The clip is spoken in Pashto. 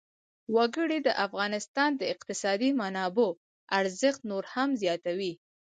وګړي د افغانستان د اقتصادي منابعو ارزښت نور هم زیاتوي.